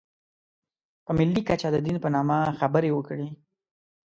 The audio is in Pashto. په ملي کچه د دین په نامه خبرې وکړي.